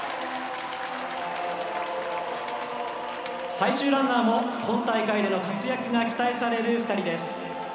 最終ランナーも今大会での活躍が期待される２人です。